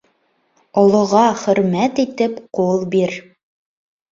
Олоға, хөрмәт итеп, ҡул бир.